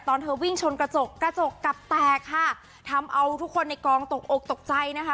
เธอวิ่งชนกระจกกระจกกลับแตกค่ะทำเอาทุกคนในกองตกอกตกใจนะคะ